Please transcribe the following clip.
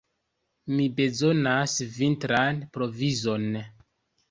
Mi bezonas vintran provizon.